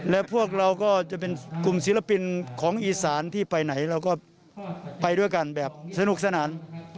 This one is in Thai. และพวกเราก็จะเป็นกลุ่มศิลปินของอีสานที่ไปไหนเราก็ไปด้วยกันแบบสนุกสนาน